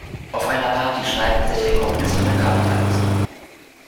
Auf einer Party streiten sich ein Kommunist und ein Kapitalist.